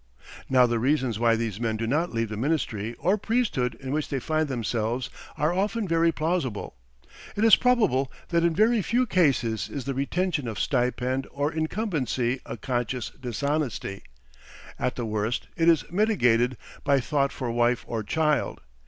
Now the reasons why these men do not leave the ministry or priesthood in which they find themselves are often very plausible. It is probable that in very few cases is the retention of stipend or incumbency a conscious dishonesty. At the worst it is mitigated by thought for wife or child.